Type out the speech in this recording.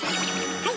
はい